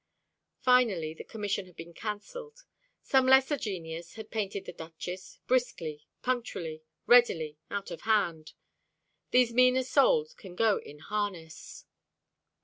Finally the commission had been cancelled. Some lesser genius had painted the Duchess, briskly, punctually, readily, out of hand. These meaner souls can go in harness.